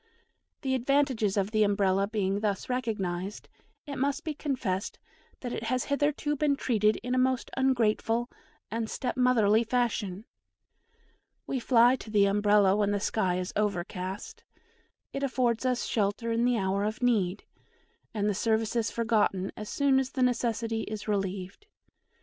The advantages of the Umbrella being thus recognised, it must be confessed that it has hitherto been treated in a most ungrateful and step motherly fashion. We fly to the Umbrella when the sky is overcast it affords us shelter in the hour of need and the service is forgotten as soon as the necessity is relieved.